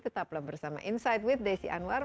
tetaplah bersama insight with desi anwar